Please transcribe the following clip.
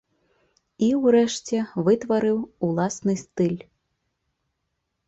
І, урэшце, вытварыў уласны стыль.